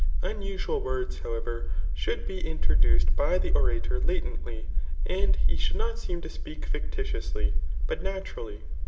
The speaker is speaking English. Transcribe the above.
Unusual words, however, should be introduced by the orator latently, and he should not seem to speak fictitiously, but naturally.